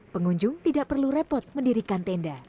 pengunjung tidak perlu repot mendirikan tenda